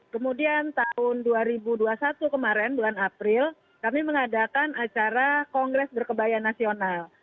kemudian tahun dua ribu dua puluh satu kemarin bulan april kami mengadakan acara kongres berkebaya nasional